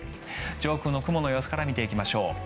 上空の雲の様子から見ていきましょう。